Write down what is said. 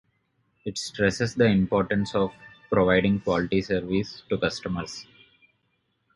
It stresses the importance of providing quality service to customers.